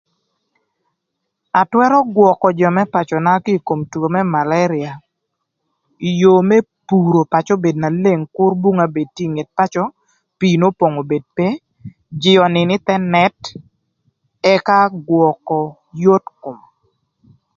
Atwërö gwökö jö më pacöna kï ï kom two më malerïa ï yoo më puro pacö obed na leng, kür bunga obed ï nget pacö, pii n'opong obed pe, jïï önïn ï thë nët, ëka gwökö yot kom.